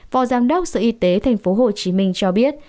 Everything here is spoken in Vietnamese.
phó giám đốc sở y tế tp hcm cho biết